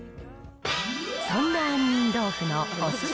そんな杏仁豆腐のお勧め